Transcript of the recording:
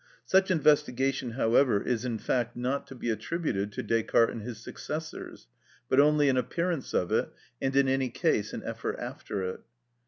Such investigation, however, is in fact not to be attributed to Descartes and his successors,(1) but only an appearance of it, and in any case an effort after it.